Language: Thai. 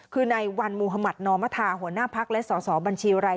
คือในวันมุธมัธนอมธาหัวหน้าพักและสอสอบัญชีราย